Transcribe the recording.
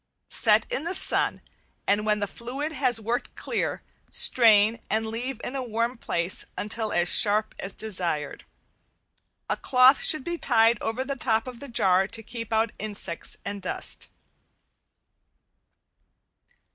Set in the sun, and when the fluid has worked clear, strain and leave in a warm place until as sharp as desired. A cloth should be tied over the top of the jar to keep out insects and dust.